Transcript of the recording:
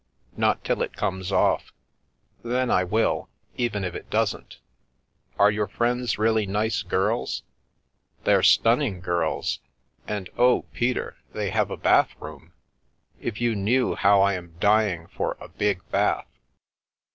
" Not till it comes off. Then I will, even if it doesn't. Are your friends really nice girls? " "They're stunning girls. And oh, Peter, they have a bath room! If you knew how I am dying for a big bath